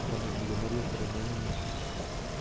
Cuando el millonario australiano Mr.